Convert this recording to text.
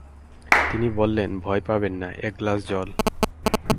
তিনি বললেন, ভয় পাবেন না, এক গ্লাস জল।